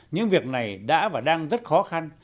những việc này đã và đang rất khó khăn